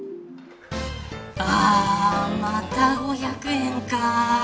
また５００円か。